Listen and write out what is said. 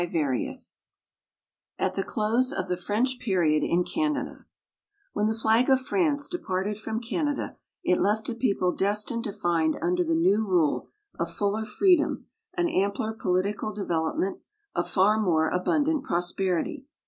Coleridge AT THE CLOSE OF THE FRENCH PERIOD IN CANADA When the flag of France departed from Canada, it left a people destined to find under the new rule a fuller freedom, an ampler political development, a far more abundant prosperity.